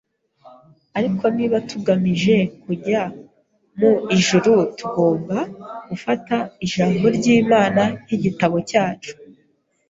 Ariko niba tugamije kujya mu ijuru, tugomba gufata Ijambo ry’Imana nk’igitabo cyacu